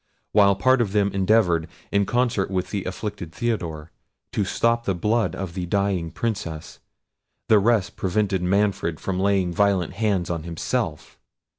While part of them endeavoured, in concert with the afflicted Theodore, to stop the blood of the dying Princess, the rest prevented Manfred from laying violent hands on himself.